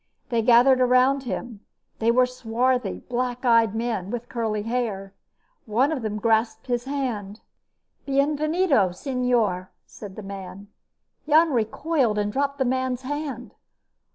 They gathered around him. They were swarthy, black eyed men, with curly hair. One of them grasped his hand. "Bienvenido, señor," said the man. Jan recoiled and dropped the man's hand.